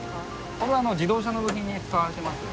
これは自動車の部品に使われてます。